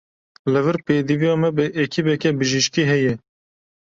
Li vir pêdiviya me bi ekîbeke bijîşkî heye.